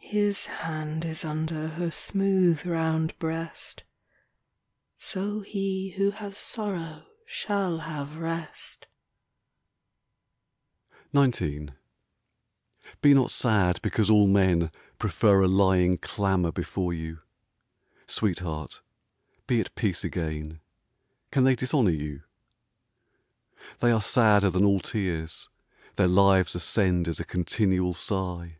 His hand is under Her smooth round breast So he who has sorrow Shall have rest. XIX Be not sad because all men Prefer a lying clamour before you : Sweetheart, be at peace again — Can they dishonour you ? They are sadder than all tears ; Their lives ascend as a continual sigh.